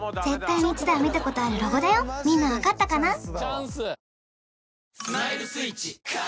絶対に一度は見たことあるロゴだよみんなわかったかな？